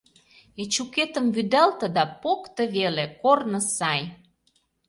Эчукетым вӱдалте да — покто веле, корно сай!